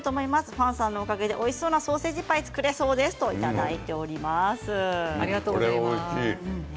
ファンさんのおかげでおいしそうなソーセージパイが作れそうですといただいております。